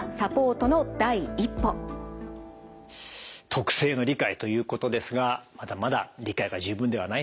特性の理解ということですがまだまだ理解が十分ではないということなんですね。